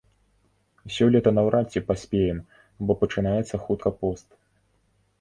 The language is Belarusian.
Сёлета наўрад ці паспеем, бо пачынаецца хутка пост.